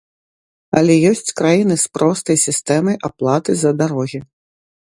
Але ёсць краіны з простай сістэмай аплаты за дарогі.